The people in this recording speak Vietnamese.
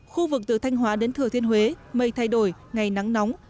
khu vực từ thanh hóa đến thừa thiên huế mây thay đổi ngày nắng nóng